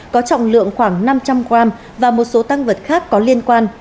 có trọng lượng khoảng năm trăm linh g và một số tăng vật khác có liên quan